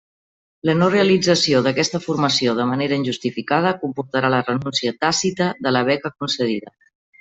La no realització d'aquesta formació de manera injustificada comportarà la renúncia tàcita de la beca concedida.